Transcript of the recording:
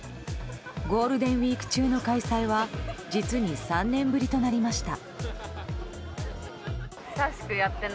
ゴールデンウィーク中の開催は実に３年ぶりとなりました。